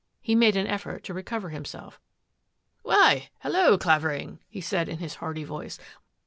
He made an effort to recover himself. " Why, hallo, Clavering," he called in his hearty voice.